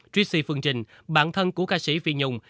tracy phương trình bạn thân của ca sĩ phi nhung